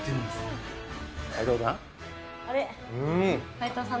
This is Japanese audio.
斎藤さん？